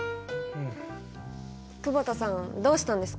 久保田さんどうしたんですか？